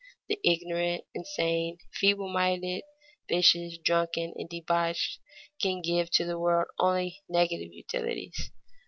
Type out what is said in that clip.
The ignorant, insane, feeble minded, vicious, drunken, and debauched, can give to the world only negative utilities.